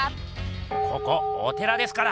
ここお寺ですから！